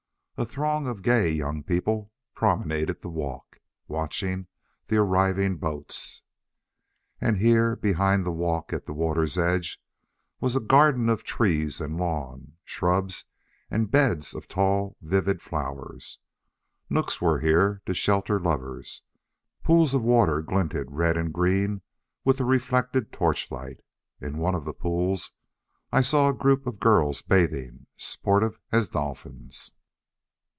A throng of gay young people promenaded the walk, watching the arriving boats. And here, behind the walk at the water's edge, was a garden of trees and lawn, shrubs and beds of tall vivid flowers. Nooks were here to shelter lovers, pools of water glinted red and green with the reflected torchlight. In one of the pools I saw a group of girls bathing, sportive as dolphins.